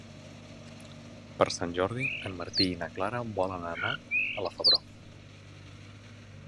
Per Sant Jordi en Martí i na Clara volen anar a la Febró.